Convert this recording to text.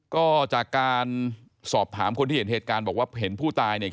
ก็จากการสอบถามคนที่เห็นเหตุการณ์บอกว่าเห็นผู้ตายเนี่ย